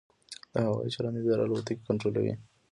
د هوايي چلند اداره الوتکې کنټرولوي؟